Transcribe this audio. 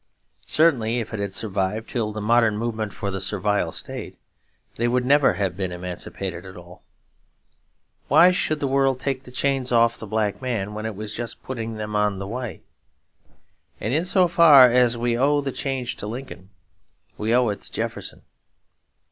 Certainly if it had survived till the modern movement for the Servile State, they would never have been emancipated at all. Why should the world take the chains off the black man when it was just putting them on the white? And in so far as we owe the change to Lincoln, we owe it to Jefferson.